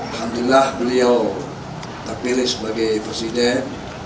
alhamdulillah beliau terpilih sebagai presiden